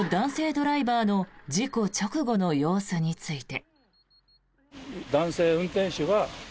ドライバーの事故直後の様子について。